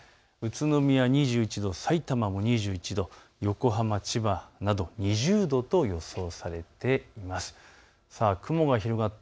宇都宮２１度、さいたまも２１度、横浜、千葉など２０度と予想されています。